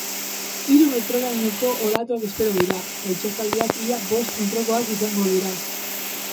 Hiru metrorainoko olatuak espero dira, eta itsasaldiak ia bost metrokoak izango dira.